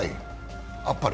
あっぱれ？